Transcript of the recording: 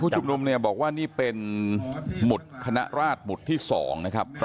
ชุมนุมเนี่ยบอกว่านี่เป็นหมุดคณะราชหมุดที่๒นะครับ